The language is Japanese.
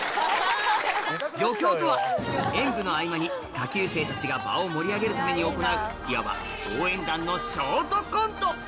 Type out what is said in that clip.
余興とは演舞の合間に下級生たちが場を盛り上げるために行ういわば応援団のショートコント